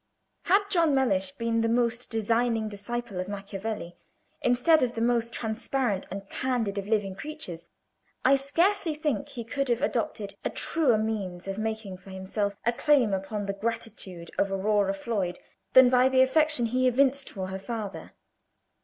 Had John Mellish been the most designing disciple of Machiavelli, instead of the most transparent and candid of living creatures, I scarcely think he could have adopted a truer means of making for himself a claim upon the gratitude of Aurora Floyd than by the affection he evinced for her father.